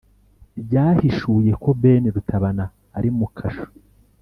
ryahishuye ko ben rutabana ari muri kasho